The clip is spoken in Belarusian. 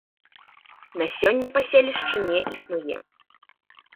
На сёння паселішча не існуе.